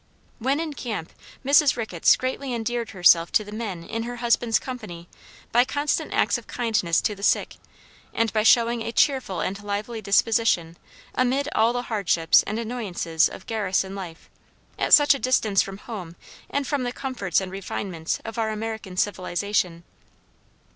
When in camp, Mrs. Ricketts greatly endeared herself to the men in her husband's company by constant acts of kindness to the sick, and by showing a cheerful and lively disposition amid all the hardships and annoyances of garrison life, at such a distance from home and from the comforts and refinements of our American civilization.